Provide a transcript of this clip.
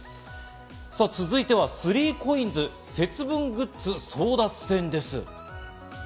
続いては３ＣＯＩＮＳ、節分グッズ争奪戦です。